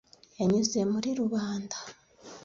Yanyuze muri rubanda.